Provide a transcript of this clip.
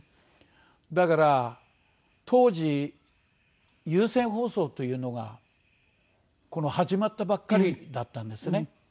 だから当時有線放送というのが始まったばっかりだったんですね。